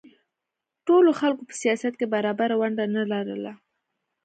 ټولو خلکو په سیاست کې برابره ونډه نه لرله.